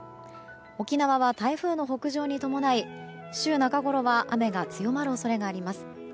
沖縄は台風の北上に伴い週中ごろは雨が強まる恐れがあります。